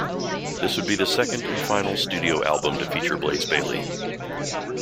This would be the second and final studio album to feature Blaze Bayley.